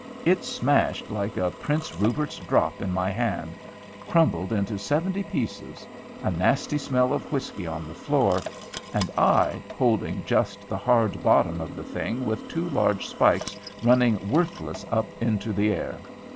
It smashed like a Prince Rupert's drop in my hand, crumbled into seventy pieces, a nasty smell of whiskey on the floor, and I, holding just the hard bottom of the thing with two large spikes running worthless up into the air.